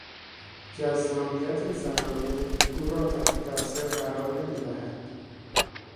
جذابیت زنانه او را تحت تاثیر قرار نمیدهد.